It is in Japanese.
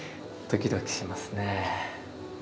ドキドキしますね。